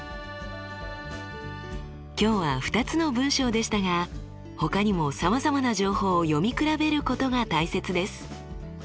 今日は２つの文章でしたがほかにもさまざまな情報を読み比べることが大切です。